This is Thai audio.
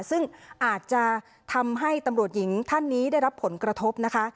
ซึ่งอาจจะทำให้ตำรวจหญิงท่านนี้ได้รับผลกระทบนะคะ